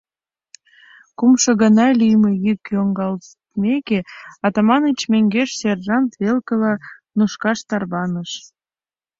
Кумшо гана лӱйымӧ йӱк йоҥгалтмеке, Атаманыч мӧҥгеш сержант велкыла нушкаш тарваныш.